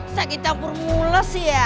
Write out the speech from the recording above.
sakit tampur mules ya